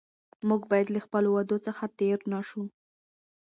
موږ باید له خپلو وعدو څخه تېر نه شو.